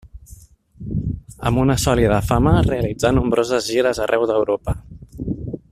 Amb una sòlida fama, realitzà nombroses gires arreu d'Europa.